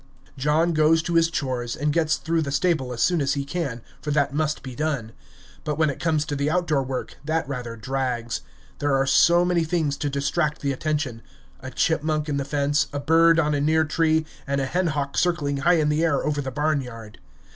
John goes to his chores, and gets through the stable as soon as he can, for that must be done; but when it comes to the out door work, that rather drags. There are so many things to distract the attention a chipmunk in the fence, a bird on a near tree, and a hen hawk circling high in the air over the barnyard.